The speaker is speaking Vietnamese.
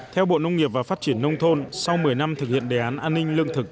theo bộ nông nghiệp và phát triển nông thôn sau một mươi năm thực hiện đề án an ninh lương thực